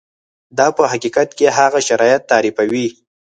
دا په حقیقت کې هغه شرایط تعریفوي.